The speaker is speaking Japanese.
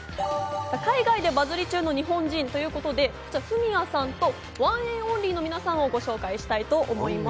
海外でバズり中の日本人ということでＦｕｍｉｙａさんとＯＮＥＮ’ＯＮＬＹの皆さんをご紹介したいと思います。